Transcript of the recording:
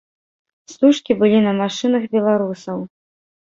Стужкі былі на машынах беларусаў.